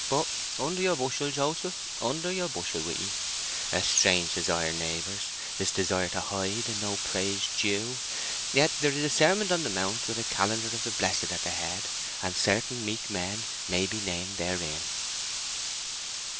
But under your bushel, Joseph! under your bushel with 'ee! A strange desire, neighbours, this desire to hide, and no praise due. Yet there is a Sermon on the Mount with a calendar of the blessed at the head, and certain meek men may be named therein."